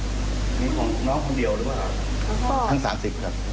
แล้วก็อยากให้เรื่องนี้จบไปเพราะว่ามันกระทบกระเทือนทั้งจิตใจของคุณครู